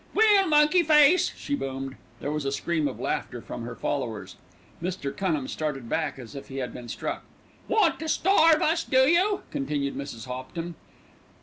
"Well, monkey face," she boomed. There was a scream of laughter from her followers. Mr. Cunham started back as if he had been struck. "Want to starve us, do you?" continued Mrs. Hopton.